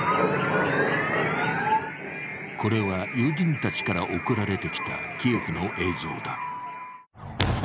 これは友人たちから送られてきたキエフの映像だ。